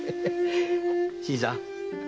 新さん。